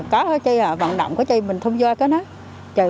có cây bằng nặng có cây mình thông gia